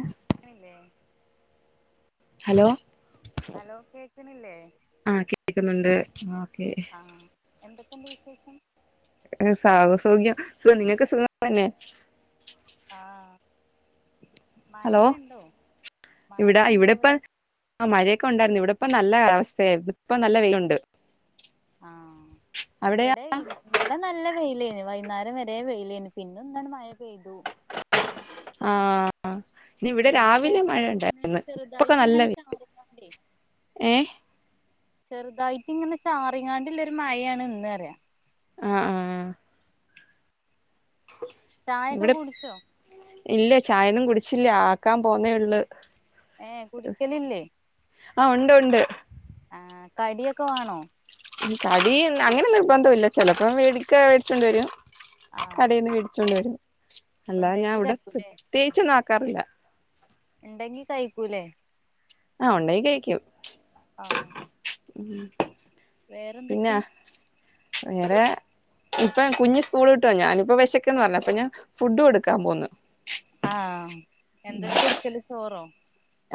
ആ ആണല്ലേ hello hello കേക്കണില്ലേ ആഹ കേൾക്കുന്നുണ്ട് ഓക്കെ ആ എന്തൊക്കെയുണ്ട് വിശേഷം സൗ സൗഖ്യം സുഖം നിങ്ങക്ക് സുഖം തന്നെ ആഹ ഹലോ മഴൊക്കെ ഉണ്ടോ ഇവിടെ മഴൊക്കെ ഉണ്ടോ ഇവിടെ ഇപ്പ അവിടെ ആ മഴയൊക്കെ ഉണ്ടായിരുന്നു ഇവിടെ ഇപ്പം നല്ല അവസ്ഥയ ഇപ്പ നല്ല വെയിലുണ്ട് ആഹ അവിടെയാ ഇവിടെ ഇന്നലെ നല്ല വെയിലേന് വൈകേരം വരെ വെയിലേന് പിന്നെ ഒന്നാണ് മഴ പെയ്തു ആഹ്‌. ആഹ ഇനി ഇവിടെ ഇന്ന് രാവിലെ മഴ അതേപോലെ തന്നെ ഉണ്ടായിരുന്നു ഇപ്പൊക്കെ ചെറുതായിട്ട് നല്ല ഇങ്ങനെ വീര് ചാറിങ്ങാണ്ടേ ഏഹ ചെറുതായിട്ട് ഇങ്ങനെ ചാറിങ്ങാണ്ടള്ള ഒരു മഴയാണ് ഇന്ന് അറിയ ആ ആ ആ ചായൊക്കെ കുടിച്ചോ? ഇല്ല ചായൊന്നും കുടിച്ചില്ല ക്കാൻ പോന്നേ ഉള്ളു ഏഹ് കുടിക്കലില്ലേ ആ ഉണ്ട് ഉണ്ട് ആ കടിയൊക്കെ വേണോ തടിയ അങ്ങനെ നിർബന്ധം ഇല്ല ചിലപ്പോം വേടിക്ക മേടിച്ചണ്ടണ്ട് വരോ ആഹ് കടയിൽന്ന് പിടിച്ചു കൊണ്ട വരുന്നു അല്ലാതെ ഞാൻ ഉണ്ടെങ്കി ഇവിടെ കഴിക്കൂലേ പ്രത്യേച്ച് നക്കാറില്ല ഉണ്ടെങ്കി കഴിക്കൂലേ ആഹ ഉണ്ടാങ്കി കഴിക്കും ആഹ് പിന്നെ വേറെന്തൊക്കെ വേറെ ഇപ്പൊ കുഞ്ഞ് സ്കൂൾ കിട്ടുവ ഞാനിപ്പ വിശക്കന്ന് പറഞ്ഞപ്പൊ ഞാൻ ഫുഡും കൊടുക്കാൻ പോന്നുന്നു ആഹ്‌ എന്തായത് കൊടുക്കല് ചോറോ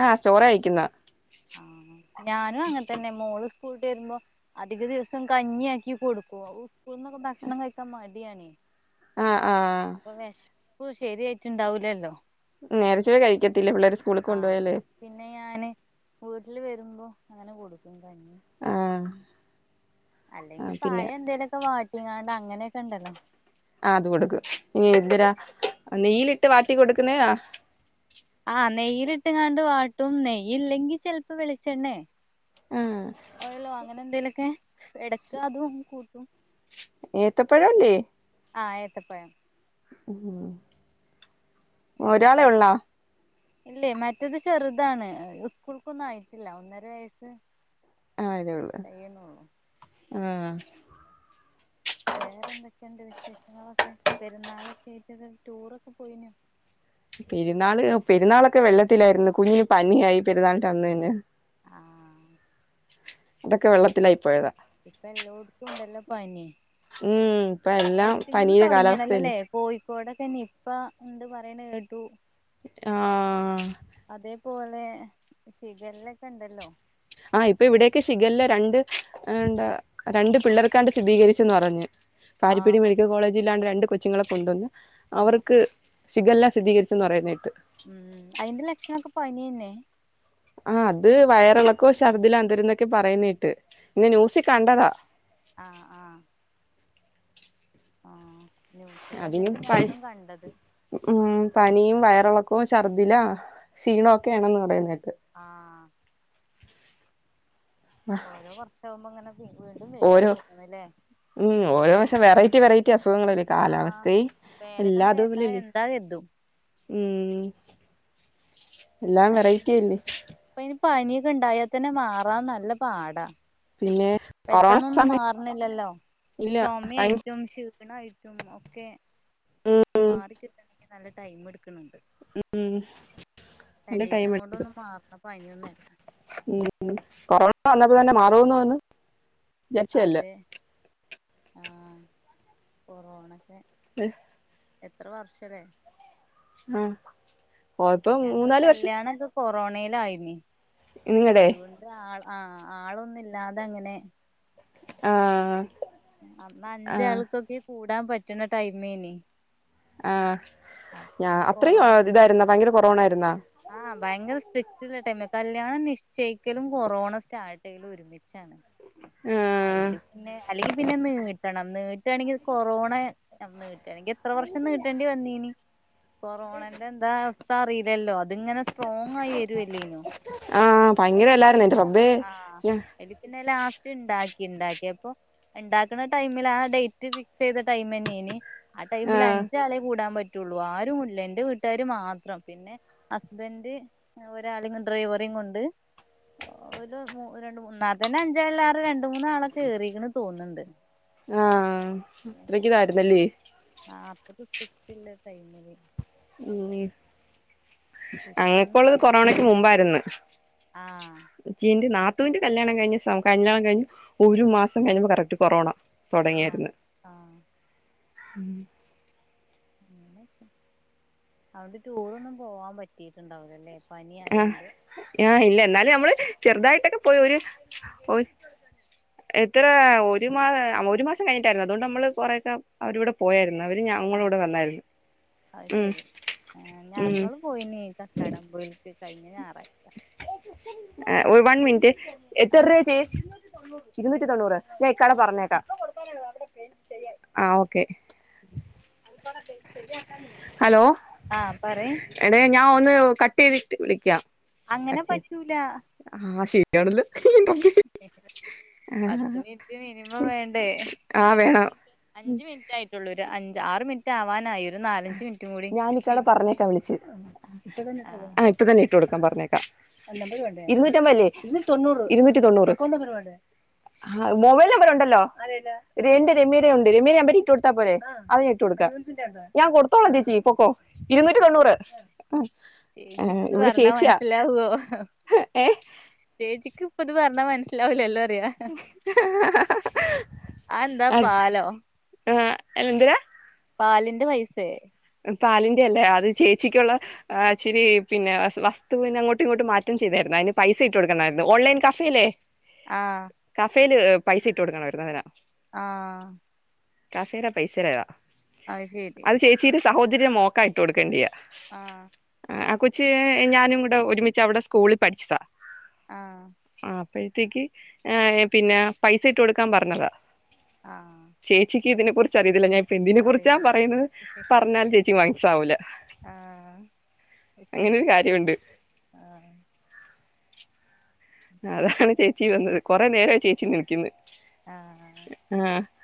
ആഹ ചോറ അയിക്കുന്ന ആഹ ഞാനും അങ്ങനെ തന്നെ മോള് സ്കൂളട്ട് വരുമ്പോ അധിക ദിവസം കഞ്ഞിയ ആാക്കി കൊടുക്കും ഉക്കൂളന്നൊക്കെ ഭക്ഷണം കഴിക്കാൻ മടിയണേ ആഹ് ആഹ് അപ്പൊ വിശപ്പ് ശരിയായിട്ട് ണ്ടാവൂലല്ലോ നേരിച്ച കഴിക്കത്തില്ല പിള്ളേ ആഹ് അപ്പ്പിന്നെ ഞാന് വ്‌ട്ടില് വരുമ്പോ അങ്ങനെ കൊടുക്കും കഞ്ഞി ആഹ് അല്ലെങ്കി ആഹ് പിന്നെ പയംന്തേല്ക്കെ വാട്ടിങ്ങാണ്ട് അങ്ങനെയ‌ക്കെണ്ടല്ലോ ആഹ് അത് കൊടുക്ക് എഹ് ന്തരാ അഹ് നെയ്യില്ട്ട് വാട്ടി കൊടുക്കുന്നയാ ആഹ് നെയ്യിലിട്ടങ്ങാണ്ട് വാട്ടും നെയ്യ്ല്ലെങ്കിൽ ചെലപ്പോ വെളിച്ചെണ്ണേ ആഹ് ഓയ്ല്ലോ അങ്ങനെന്തേലൊക്കെ ഇടക്ക് അതും കൂട്ടും ഏത്തപ്പഴല്ലേ ആഹ് ഏത്തപ്പയം ഉം ഹ് ഏത്തപ്പയം ഇല്ലേ മറ്റത് ചെറുതാണ് ഉസ്കൂൾക്കൊന്നും ആയിട്ട്ല്ല ഒന്നരവയസ്സ് ആയതേയൊള്ള് ആഹ് വേറെന്തൊക്കെയ്ണ്ട് വിശേഷങ്ങളൊക്കെ പെരുന്നാളൊക്കെയായ്ട്ട് ടൂറൊക്കെ പോയിനൊ പെരുന്നാള് പെരുന്നാളൊക്കെ വെള്ളത്തിലായ്ര്ന്ന് കുഞ്ഞിന് പനിയായ് പെരുന്നാള്ന്റെ അന്ന് തന്നെ ആഹ് അതൊക്കെ വെള്ളത്ത്ലായ് പോയതാ ഇപ്പ എല്ലോട്ത്തും ഉണ്ടല്ലോ പനി ഉം ഇപ്പ എല്ലാം അഴ്ച്ച്ങ്ങന്ന് പനിയുടെ കാലാവസ്ഥയല്ലേ തോടങ്ങിണ്ലല്ലോലെ കോയ്ക്കോടൊക്കെ നിപ്പ ണ്ട് പറയ്ണെ കേട്ടു ആഹ് അതെപ് പോലെ ഷിഗെല്ലക്കെണ്ടല്ലോ ആഹ് ഇപ്പ ഇവിടെക്കെ ഷിഗെല്ല രണ്ട് എന്താ രണ്ട് പിള്ളേർക്കാണ്ട് സ്ഥിതീകരിച്ചന്ന് പറഞ്ഞ് പാരിപ്പടി ആഹ് മെഡിക്ക കോളേജില്ലാണ്ട് രണ്ട് കൊച്ച്ങ്ങളെ കൊണ്ട്വന്ന് ആഹ് അവർക്ക് ഷിഗെല്ല സ്ഥിതികരിച്ചെന്ന് പറയ്ന്നെട്ട് ഉം അയിന്റെ ലക്ഷണ‌ക്കെ പനിയെന്നെ ആഹ് അത് വയറ്ളക്കോ ശർദ്ദ്ലന്തര‌ന്നക്കെ പറയ്ന്നെ കേട്ട് ഇന്ന് ന്യൂസിൽ കണ്ടതാ ആഹ് ആഹ് ആഹ് ന്യൂസില്ന്നെ ഇപ്പ ഞാനും കണ്ടത് മ്മ് ഉം പനിയും വയറ്ളക്കോം ശർദ്ദ്‌ല ക്ഷീണോ‌ക്കെയാണെന്ന് പറയ്ന്നെ കേട്ട് ആഹ് ഓരോ വർഷാമ്പോങ്ങനെ വി വീണ്ടും വരിയാ ഓരോ തോന്ന്ണ്ല്ലേ ഉം ഓരോ വർഷം വെറൈറ്റി വെറൈറ്റി അസുഖങ്ങളല്ലേ ആഹ് കാലാവസ്ഥയ് പേരൊക്കണ് കേട്ടാ എല്ലാതമില്ല്ലേ എന്താ കരുതും ഉം എല്ലാം വെറൈറ്റ്ല്ലേ ഇപ്പൊ അയ്ന് പനിയൊ‌ക്കെണ്ടായാ തന്നെ മാറാൻ നല്ല പാടാ പിന്നെ കൊറോണ പെട്ടെന്നൊന്നും സമയം മാറണ്ല്ലല്ലോ ഇല്ല ഭയങ്കര ചൊമെയ്ട്ടും ക്ഷിണായ്ട്ടും ഒക്കെ ഉം മാറിക്കിട്ടൺങ്ക്ൽ നല്ല ടൈമ്ട്ക്ക്ണെണ്ട് ടൈം രണ്ടീസം കൊണ്ടൊന്നും മാറണ പനിയൊന്ന്ല്ല ഉം ഉം കൊറോണ വന്നപ്പതന്നെ മാറോന്ന് പറഞ്ഞ് അതെ ആഹ് കൊറോണക്കെ എത്ര വർഷല്ലേ ഉം ഓല്പ്പോ മൂന്നാല് വർഷം കൊറോണെലായ്നി നിങ്ങടെ അതുകൊണ്ട് അഹ് ആഹ് ആളൊന്നുല്ലാതങ്ങനെ ആഹ് ഹാ അന്ന് അഞ്ചാൾക്കൊക്കെ കൂടാൻ പറ്റ്ണ ടൈമെനി ആഹ് ഞാ പിന്നെ അത്രേം കൊറോണന്റെ ആദ്തായ്ര്ന്നാ ഭയങ്കര കൊറോണ ആയ്ര്ന്നാ ആഹ് ബയങ്കര സ്ട്രിക്റ്റ്ള്ള ടൈമാ കല്യാണം നിശ്ചയിക്കലും കൊറോണ സ്റ്റാർട്ടെയ്യലും ഒരുമി മിച്ചാണ് ആഹ് അയില് പിന്നെ അല്ലെങ്കിൽ പിന്നെ നീട്ടണം നീട്ടാണ്ങ്കി കൊറോണ നീട്ടാണ്ങ്കി എത്ര വർഷം നീട്ടേണ്ടി വന്നീനി കൊറോണന്റെ ൻ്റെ അവസ്ഥ അറിയില്ലല്ലോ അത്ങ്ങനെ സ്ട്രോങ് ആയി വരുവല്ലേനോ ആഹ് പയങ്കര എല്ലാരുന്നോ ഇന്റെ റബ്ബേ ആഹ് അയ്ൽ പിന്നെ ലാസ്റ്റ് ഇണ്ടാക്കി ഇണ്ടാക്കിയപ്പോ ഉണ്ടാക്കണ ടൈമിൽ ആഹ് ഡേറ്റ് ഫിക്സ് ചെയ്ത ടൈം തന്നെയെനി ആഹ് ആ ടൈമിൽ അഞ്ചാളെ കൂടാൻ പ റ്റുള്ളൂ ആരും ഇല്ല എന്റെ വീട്ടാര് മാത്രം പിന്നെ ഹസ്ബൻഡ് ഒരാളെങ്ങ് ഡ്രൈവറെം കൊണ്ട് ഒരു മു രണ്ട് മൂന്നാ ന്നാ തന്നെ അഞ്ചാള് രണ്ട് മൂന്നാ ആൾ ഏറിയിക്ക്ണ് തോന്ന്ണ്ട് ആഹ് അത്രക്ക് ഇതായിരുന്നല്ലി ആഹ് അത്രയ്ക്ക് സ്ട്രിക്ട് ഉള്ള ആഹ് ടൈമില് ഉം അങ്ങക്ക ഇപ്പൊന്നാ ഉള്ളത് കൊറോണക്ക് അങ്ങനെ മുമ്പായിരുന്നു ആഹ് ചീന്റെ നാത്തുവിന്റെ കല്യാണം കഴിഞ്ഞ് സ കല്യാണം കഴിഞ്ഞ് ഒരു മാസം കഴിഞ്ഞപ്പോ കറക്റ്റ് കൊറോണ ആഹ് തോടങ്ങിയിരുന്ന് ആഹ് ഉം അങ്ങനെ ഒക്കെ അതോണ്ട് ടൂറൊന്നും പോവാൻ പറ്റീട്ടുണ്ടാവിലല്ലെ പനി ആഹ് ആയൊണ്ട് ആഹ് ഇല്ല എന്നാലും നമ്മള് ചെറുതായിട്ടൊക്കെ പോയി ഒരു ഒ എത്ര ഒരു മാ ഒരു മാസം കഴിഞ്ഞിട്ടായിരുന്നു അതുകൊണ്ട് നമ്മള് കൊറെക്കെ അവരിവിടെ പോയായിരുന്നു അവര് ഞങ്ങളോടെ വന്നായിരുന്നു അയ് ഉം ശരി ആഹ് ഉം ഞങ്ങളും പോയിനീ കക്കാടമ്പൂൽേക്ക് കഴിഞ്ഞ ഞായറാഴ്ച ആഹ് ഒ വൺ മിനിറ്റെ ആ എത്രച്ചി ഇരുന്നൂറ്റി തൊണ്ണൂറ് ഞാൻ ഇക്കാടെ പറഞ്ഞേക്കാം ഇപ്പൊ കൊടുത്താലേ ആഹ് ഓക്കെ ശരിയാക്കനേ ഹലോ ആഹ് പറയ് എടെ ഞാൻ ഒന്ന് കട്ട് ചെയ്തിട്ട് വിളിക്കാം അങ്ങനെ കട്ട് ചെയ്ത് പറ്റൂല ആഹ് ശരിയാണല്ലോ പത്ത് മിനിറ്റ് മിനിമം വേണ്ടേ ആഹ് എത്ര വേണം മിനിറ്റ് അഞ്ച്മി നിറ്റ് ആയിട്ടുള്ള ഒരു അഞ്ച് ആറ് മിനിറ്റ് ആവാനായി ഒരു നാലഞ്ച് മിനിറ്റും കൂടി ഞാൻ ഇക്കാടെ പറഞ്ഞേക്ക വിളിച്ച് ആഹ് ഇപ്പത്തന്നെ ഇട്ട് കൊടുക്കൻ പറഞ്ഞേക്കാ ഇരുന്നൂറ്റമ്പത്ല്ലേ ഇരുനൂറ്റി തൊണ്ണൂറ് ഇരുന്നൂറ്റി തൊണ്ണൂറ് ആഹ് മൊബൈൽ നമ്പർ ഉണ്ടല്ലോ രേന്റെ രമ്യര ഉണ്ട് രമ്യ നമ്പർ ഇട്ട് കൊടുത്താ പോരെ അത് ഇട്ട്കൊടുക്ക ഞാൻ കൊടുത്തോളാം ചേച്ചി പൊക്കോ ഇരുന്നൂറ്റി തൊണ്ണൂറ് ഉം. ഏ, ചേച്ചിക്ക് ഇത് ഇവിടെ പറഞ്ഞാ ചേച്ചിയാ മനസ്സിലാവുവോ ഏ ചേിക്ക് ഇപ്പൊ ഇത് പറഞ്ഞാ മനസിലാവില്ലല്ലോറിയ എന്താ അത് പാലോ ആഹ് എല്ലന്തരാ പാലിന്റെ പൈസേ പാലിന്റെ അല്ലേ അത് ചേച്ചിക്കുള്ള ആഹ് ഇച്ചരി പിന്നെ വസ് വസ്തുന് അങ്ങോട്ടും ഇങ്ങോട്ട് മാറ്റം ചെയ്തായിരുന്നു അയിന് പൈസ ഇട്ട് കൊടുക്കണായിരുന്നു ഓൺലൈൻ ക ഫിലെ ആഹ് കഫേല് പൈസ ഇട്ട് കൊടുക്കണരുന്നതിന ആഹ് കഫെരെ പൈസരതാ അത് ശരി ഇച്ചിരി സഹോദര്യ മോക്ക ഇട്ട് കൊടുക്കേണ്ട്യാ ആഹ് ആഹ് കൊച്ച് ഞാനുങ്ങൂടെ ഒരുമിച്ച് അവിടെ സ്കൂളിൽ പഠിച്ചതാ ആഹ് ആഹ് അപ്പോഴത്തേക്ക് ഏഹ് പിന്നെ പൈസ ഇട്ട് കൊടുക്കാൻ പറഞ്ഞതാ. ആഹ്. ചേച്ചിക്ക് ഇതിനെ കുറിച്ച് അറിയത്തില്ല ഞാൻ ഇപ്പ എന്തിനെ കുറിച്ചാ അറിയില്ല പറയുന്നത് പറഞ്ഞാൽ ചേച്ചിക്ക് മനസിലാവൂലാ. ആഹ് അയ്ശരി ഒരു കാര്യമുണ്ട് ആഹ്. അതാണ് ചേച്ചി വന്നത് കുറേ നേരം ആയി ചേച്ചിന്ന് വിളിക്കുന്നു. ആഹ്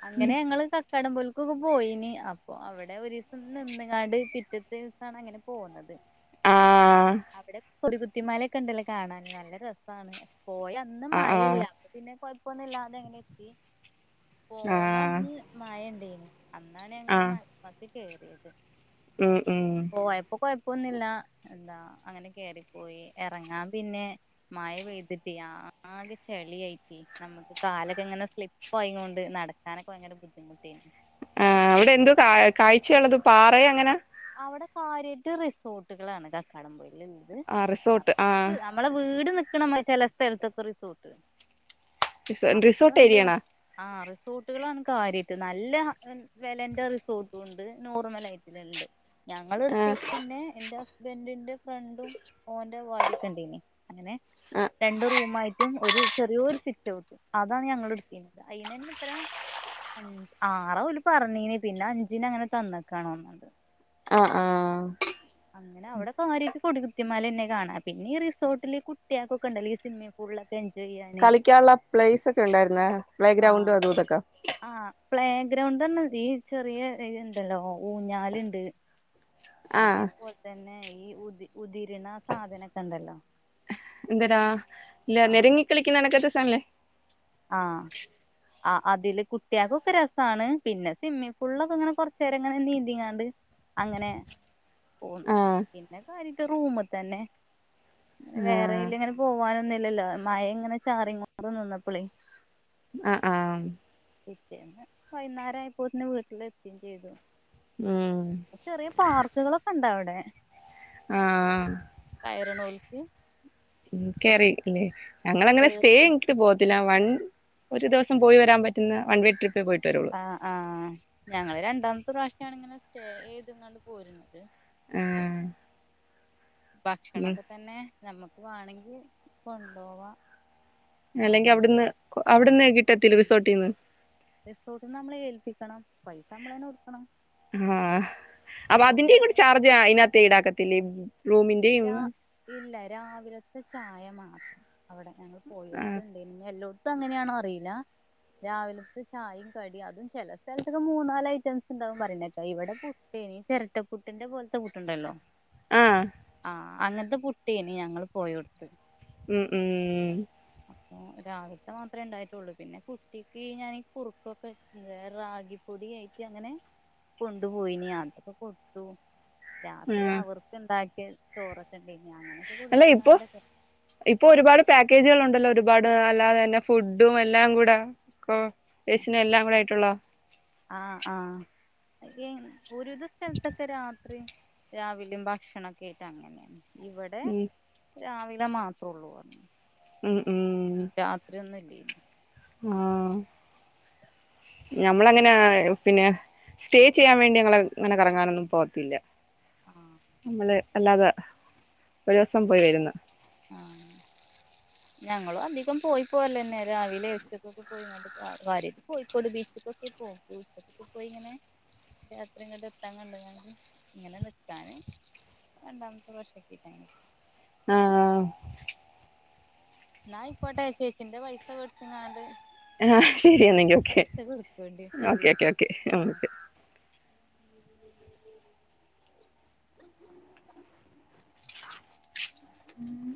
അങ്ങനെ നിങ്ങള് ക കടംമ്പുല്ക്ക് ഒക്കെ പോയിന് അപ്പൊ അവിടെ ഒരീസം നിന്നങ്ങാണ്ട് പിറ്റത്തെ ദിവസമാണ് അങ്ങനെ പോന്നത്. ആഹ് അവിടെ കൊടികുത്തിമാലയൊക്കെ ഉണ്ടല്ലോ കാണാൻ നല്ല രസമാണ്. പോയ അന്ന് ആഹ് മഴയില്ല ആഹ് അപ്പ പിന്നെ കൊഴപ്പൊന്നും ഇല്ലാതെ എങ്ങനെ എത്തി. പോന്ന ആഹ് അന്ന് മഴയുണ്ടേനി അന്നാണ് ഞങ്ങൾ ആഹ് മലപ്പുറത്ത് കേറിയത്. ഉം ഉം. പോയപ്പോ കൊഴപ്പൊന്നുമില്ല എന്താ അങ്ങനെ കേയറിപ്പോയി ഇറങ്ങാൻ പിന്നെ. മഴ പെയ്തിട്ട് ആകെ ചെളിയായിട്ട് നമുക്ക് കാല്. ഇങ്ങനെ സ്ലിപ്പ് ആയിക്കൊണ്ട് നടക്കാനൊക്കെ ഭയങ്കര ബുദ്ധിമുട്ട് ആയിന്. ആഹ് അവിടെ എന്തു കാ കാഴ്ച ഉള്ളത് പാറ അങ്ങനെ. അവിടെ കാര്യാ ആയിട്ട് റിസോർട്ടുകളാണ് കക്കാടം പൊയ് കേലുള്ളത് ആ റിസോർട്ട് കുറച്ച്. ആഹ് ങ്ങടെ വീട് നിക്കണ മാതിരി ചില സ്ഥലത്തൊക്കെ റിസോർട്ട്. റിസോ അത്ര റിസോർട്ട് ഉണ്ട്. ഏരിയാണാ ആഹ് റിസോർട്ടുകളാണ് കാര്യായിട്ട് നല്ല വെലേന്റെ റിസോർട്ടും ഉണ്ട് നോർമൽ ആയിട്ടുള്ള ഉണ്ട്. ഞങ്ങൾ ആഹ് എടുത്തീനെ എന്റെ ഹസ്ബന്റിന്റെ ഫ്രണ്ടും ഓന്റെ ഭാര്യ ഒക്കെ ഉണ്ടെയിനി. അങ്ങനെ ആഹ് രണ്ട് റൂമാ ആയി ട്ടും ഒരു ചെറിയൊരു സിറ്റവുട്ടു അതാണ് ഞങ്ങൾ എടുത്തിന്നത് അയിന് ന്നെ എത്ര. അഞ്ച് ആറാ ഓല് പറഞ്ഞീന പിന്നെ അഞ്ചിന് അങ്ങനെ തന്ന്യ്ക്കാണ് തോന്നുണ്ട്. ആഹ് ആഹ്. അങ്ങനെ അവിടെ കാര്യായിട്ട് കൊട കുത്തിമല തന്നെ കാണാന് പിന്നെ റിസോർട്ടില് കുട്ടികക്കൊക്കെയുണ്ടല്ലോ സ്വിമ്മിംങ് പൂളില്. എൻജോയ് ചെയ്യാൻ. കളിക്കാനുള്ള പ്ലേസ് ഒക്കെ ഉണ്ടായിരുന്നേ പ്ലേ ആഹ് ഗ്രൗണ്ടും അതു ഇതൊക്കെ? ആഹ് പ്ലേ ഗ്രൗണ്ട് തന്നെ ഈ ചെറിയ ഇത് ഇണ്ടല്ലോ ഊഞ്ഞാലുണ്ട്. ആഹ് അതേപോലെ തന്നെ ഈ ഉതി ഉതിരുണ സാധനൊക്കെ ഉണ്ടല്ലോ. എന്തരാ ഇല്ല ആ നെരങ്ങി കളിക്കുന്ന കണക്കാത്തെ സാധനയില്ലേ. ആഹ്. ആഹ് അതില് കുട്ടികൾക്കൊക്കെ രസാണ് പിന്നെ സ്വിമ്മിംഗ് പൂളിലൊക്കെ ഇങ്ങനെ കൊറച്ചേരം ഇങ്ങനെ നീന്തിങ്ങാണ്ട്. അങ്ങനെ പോന്ന് ആഹ് പിന്നെ കാര്യായിട്ട് റൂമ് തന്നെ. വേറെ ആഹ് അയിലെ ഇങ്ങനെ പോവാനൊന്നുല്ലല്ലോ മഴ ഇങ്ങനെ ചാറിങ്ങാട്ട് നിന്ന അപ്പളെ. ആഹ് ആഹ്. പിറ്റേന്ന് വൈന്നേരം ആയിപ്പോത്തിന് വീട്ടിൽ എത്തും ചെയ്തു. ഉം. ചെറിയ പാർക്കുകളൊക്കെ ഉണ്ട് അവിടെ. ആഹ് കയറണോൽക്ക് കേറില്ലേ. ഞങ്ങള് അങ്ങനെ സ്റ്റേ കേറി ആയിട്ട് പോകത്തില്ല വൺ ഒരു ദിവസം പോയി വരാൻ പറ്റുന്ന വൺ വേ ട്രിപ്പേ പോയിട്ട് വരുള്ളു. ആഹ് ആഹ് ഞങ്ങൾ രണ്ടാമത്തെ പ്രാവശ്യ ആണ് ഇങ്ങനെ സ്റ്റേ ചെയ്തുങ്ങാണ്ട് പോരുന്നത്. ആഹ്. ഭക്ഷണൊക്കെ തന്നെ നമ്മുക്ക് വേണെങ്കിൽ കൊണ്ടോവാം. അല്ലെങ്കി അവിടുന്ന് അവിടുന്ന് കിട്ടത്തില്ല റിസോർട്ടിന്ന്. റിസോർട്ടിന്ന് നമ്മളെ ഏൽപ്പിക്കണം പൈസ നമ്മളെന്നെ കൊടുക്കണം. ആഹ് അപ്പൊ അല്ലെങ്കി അതിന്റെയും കൂടെ നമ്മള് ചാർജ് അതിനകത്തെ ഈടാക്കത്തില്ലേ റൂമിന്റെയും. രാ ഇല്ല രാവിലത്തെ ചായ മാത്രം അവിടെ ഞങ്ങൾ പോയെടുത്ത്. എല്ലോടത്തും അങ്ങനെയണോ അറിയില്ല. രാവിലത്തെ ചായയും കടിയും അതും ചില സ്ഥലത്തൊക്കെ മൂന്ന് നാല് ഐറ്റംസ് ഉണ്ടാവും പറയുന്നേക്കാം ഇവിടെ. ഇനി ചിരട്ടപ്പുട്ടിന്റെ പോലത്തെ പുട്ടുണ്ടല്ലോ. ആഹ്- ആഹ് അങ്ങനത്തെ പുട്ടേയ്ൻ ഞങ്ങൾ പോയോട്ത്ത്. ഉം ഉം ഉം. അപ്പൊ രാവിലത്തെ മാത്രമേ ഉണ്ടായിട്ടുള്ളൂ പിന്നെ കുട്ടിക്ക് ഞാനീ കുറുകൊക്കെ റാഗിപ്പൊടി ആയിട്ട് അങ്ങനെ കൊണ്ടുപോയിന് അതൊക്കെ കൊടുത്തു. രാത്രി ആഹ് അവർക്ക് ഉണ്ടാക്കിയ ചോറൊക്കെ ഉണ്ടെയ്ന്ന് അങ്ങനെയൊക്കെ അല്ല കൊടുത്ത് ഇപ്പൊ ങ്ങാണ്ട് ഇപ്പൊ ഒരുപാട് പാക്കേജുകൾ ഉണ്ടല്ലോ. ഒരുപാട് അല്ലാതെ തന്നെ ഫുഡും എല്ലാം കൂടെ രേശിന എല്ലാം കൂടെ ആയിട്ടുള്ള- ആഹ് ആഹ് ദുരിത സ്ഥലത്തൊക്കെ രാത്രി രാവിലും ഭക്ഷണക്കെ ആയിട്ട് അങ്ങനെയാണ് ഇവിടെ ഉം രാവിലെ മാത്ര ഒള്ളൂ ഉം ഉം. രാത്രി ഒന്നും ഇല്ലേ- ആഹ് ഞമ്മളങ്ങനെ പിന്നെ സ്റ്റേ ചെയ്യാൻ വേണ്ടി ഞങ്ങള ങ്ങനെ കറങ്ങാനൊന്നും പോവത്തില്ല- ആഹ്- നമ്മള് അല്ലാതെ ഒരു ദിവസം പോയി വരുന്ന [inaudible] ഞങ്ങളും അധികം പോയി പോരലന്നെ രാവിലെ എര്ത്ത്ക്ക്‌കെ പോയിങ്ങ കാര്യട് കൊയിക്കോട് ബീച്ചക്കൊക്കെ പോക് ഉച്ചക്കൊക്കെ പോയി ഇങ്ങനെ രാത്രിങ്ങട്എത്താകണ്ട്കാണ്ട് ഇങ്ങനെ നിക്കാന്- രണ്ടാമത്തെ വർഷക്കിട്ട്ങ്ങനെ ആഹ് [unintelligible] എന്നാ അയ്ക്കോട്ടെ ചേച്ചിന്റെ പൈസ വെട്ച്ച് ങ്ങാണ്ട് ആഹ് ശരിയാണങ്കി ഓക്കെ കൊടുക്കോണ്ടി ഓക്കെ ശരി ഓക്കേ ഓക്കെ ആഹ് ആ ഓക്കേ ഉം.